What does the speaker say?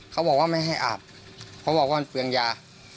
เขาบอกว่าไม่ให้อาบเขาบอกว่ามันเปลืองยา